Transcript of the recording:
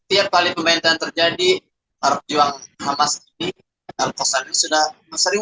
bahwa aksi pembantaian setiap hari yang terus terjadi di barang barang